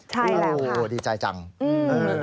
ใช่แล้วครับโอ้โฮดีใจจังอืม